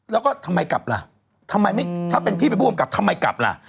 แล้วก็ทำไมกลับล่ะทำไมไม่ถ้าเป็นพี่เป็นผู้กำกับทำไมกลับล่ะ